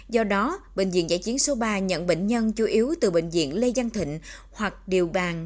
do đó bệnh viện giải chiến số ba nhận bệnh nhân chủ yếu từ bệnh viện lê giang thịnh hoặc điều bàn